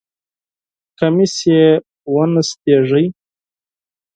کمیس یې ونستېږی!